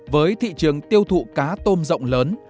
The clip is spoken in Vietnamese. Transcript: với thị trường tiêu thụ cá tôm rộng lớn